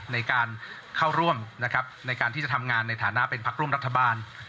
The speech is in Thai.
ในการเข้าร่วมนะครับในการที่จะทำงานในฐานะเป็นพักร่วมรัฐบาล